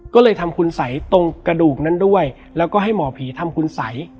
ก็เลยทำคุณสัยตรงกระดูกนั้นด้วยแล้วก็ให้หมอผีทำคุณสัย